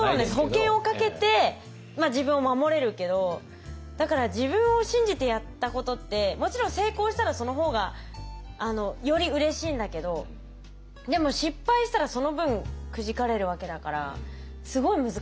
保険をかけて自分を守れるけどだから自分を信じてやったことってもちろん成功したらその方がよりうれしいんだけどでも失敗したらその分くじかれるわけだからすごい難しいことだなって思います。